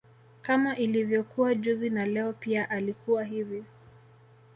Kama ilivokuwa juzi na Leo pia alikuwa hivi